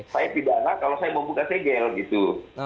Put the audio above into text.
saya tidak ada kalau saya membuka segel gitu